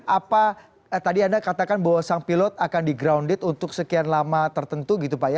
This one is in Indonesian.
apa tadi anda katakan bahwa sang pilot akan di grounded untuk sekian lama tertentu gitu pak ya